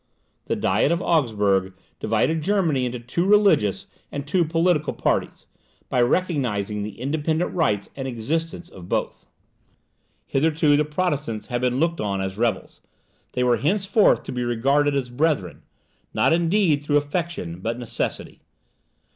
The diet of Augsburg divided Germany into two religious and two political parties, by recognizing the independent rights and existence of both. Hitherto the Protestants had been looked on as rebels; they were henceforth to be regarded as brethren not indeed through affection, but necessity.